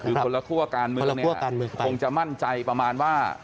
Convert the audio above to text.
คือคนละคั่วการเมืองคงจะมั่นใจประมาณว่า